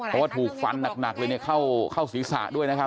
เพราะว่าถูกฟันหนักเลยเนี่ยเข้าศีรษะด้วยนะครับ